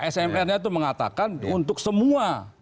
smr nya itu mengatakan untuk semua